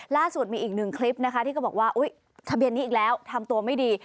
ล่าสุดมีอีกหนึ่งคลิปนะคะที่ก็บอกว่าทะเบียนนี้อีกแล้วทำตัวไม่ดี